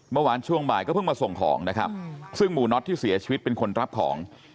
เมื่อวานช่วงบ่ายก็เพิ่งมาส่งของนะครับซึ่งหมู่น็อตที่เสียชีวิตเป็นคนรับของ